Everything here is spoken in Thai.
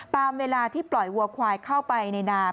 ตามเวลาที่ปล่อยวัวควายเข้าไปในนาม